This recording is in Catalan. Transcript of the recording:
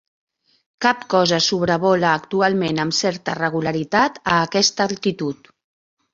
Cap cosa sobrevola actualment amb certa regularitat a aquesta altitud.